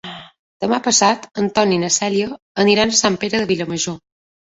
Demà passat en Ton i na Cèlia aniran a Sant Pere de Vilamajor.